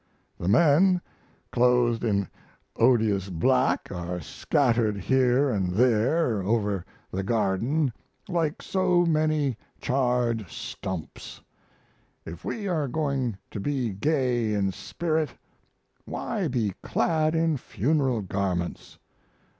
"The men, clothed in odious black, are scattered here and there over the garden like so many charred stumps. If we are going to be gay in spirit, why be clad in funeral garments?